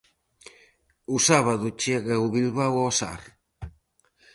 O sábado chega o Bilbao ao Sar.